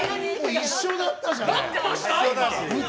一緒だったじゃん！